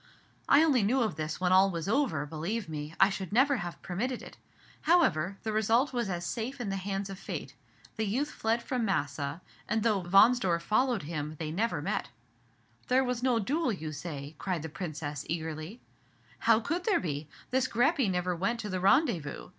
I only knew of this when all was over; believe me, I should never have permitted it. However, the result was as safe in the hands of Fate. The youth fled from Massa; and though Wahnsdorf followed him, they never met." "There was no duel, you say?" cried the Princess, eagerly. "How could there be? This Greppi never went to the rendezvous.